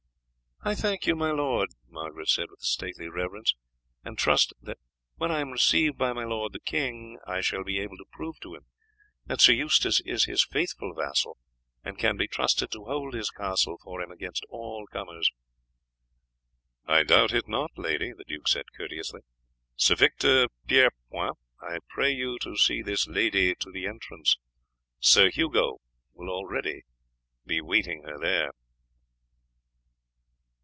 "I thank you, my lord duke," Margaret said with a stately reverence, "and trust that when I am received by my lord the king I shall be able to prove to him that Sir Eustace is his faithful vassal, and can be trusted to hold his castle for him against all comers." "I doubt it not, lady," the duke said courteously. "Sir Victor Pierrepoint, I pray you to see this lady to the entrance. Sir Hugo will already be waiting her there."